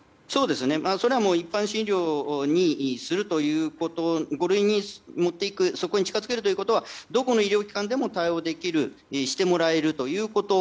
それは一般診療にするということ五類に持っていくそこに近づけることはどこの医療機関でも対応できるしてもらえるということ。